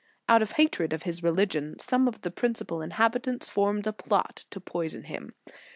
Out of hatred of his religion, some of the principal inhabitants formed a plot to poison him.